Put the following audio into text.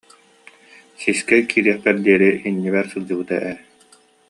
Сискэ киириэхпэр диэри иннибэр сылдьыбыта ээ